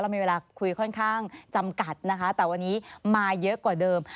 มีเวลาคุยค่อนข้างจำกัดนะคะแต่วันนี้มาเยอะกว่าเดิม